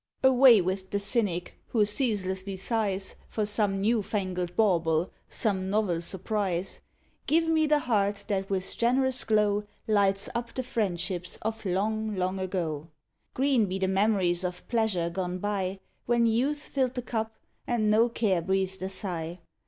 Away with the cynic, who ceaselessly sighs For some new fangled bauble some novel surprise Give me the heart that with generous glow Lights up the friendships of long long ago. Green be the mem'ries of pleasure gone by, When youth filled the cup, and no care breathed a sigh.